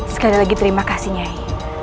sekali lagi terima kasih nyay